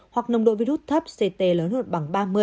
hoặc nồng độ virus thấp ct lớn hơn bằng ba mươi